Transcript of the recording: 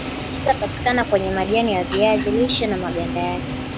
mbolea inaweza patikana kwenye majani ya viazi lishe na maganda yake